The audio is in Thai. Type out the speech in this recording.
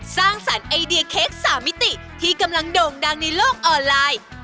สร้างสรรค์ไอเดียเค้กสามมิติที่กำลังโด่งดังในโลกออนไลน์